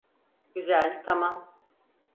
Güzel, tamam.